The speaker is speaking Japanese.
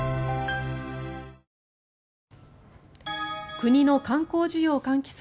国の観光需要喚起策